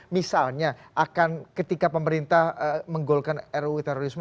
misalnya akan ketika pemerintah menggolkan ruu terorisme